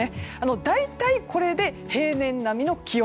大体、これで平年並みの気温。